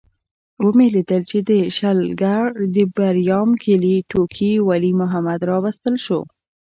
ومې لیدل چې د شلګر د بریام کلي ټوکي ولي محمد راوستل شو.